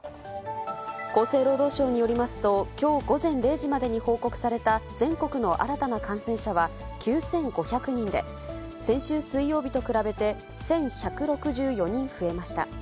厚生労働省によりますと、きょう午前０時までに報告された全国の新たな感染者は９５００人で、先週水曜日と比べて、１１６４人増えました。